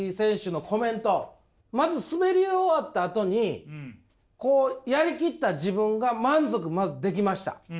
まず滑り終わったあとに「やり切った自分が満足できました。